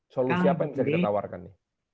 solusi apa yang ditawarkan